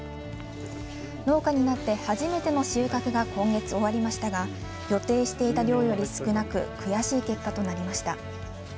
農家になって初めての収穫が今月終わりましたが予定していた量より少なく悔しい結果となりました。